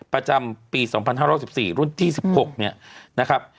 ประจำปี๒๕๑๔รุ่นที่๑๖เนี่ยนะครับ